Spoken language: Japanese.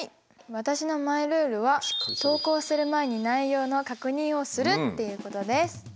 私のマイルールは投稿する前に内容の確認をするっていうことです。